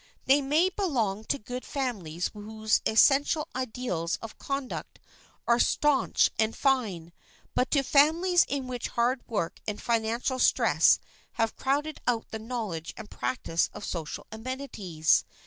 They may belong to good families whose essential ideals of conduct are stanch and fine, but to families in which hard work and financial stress have crowded out the knowledge and practise of social amenities.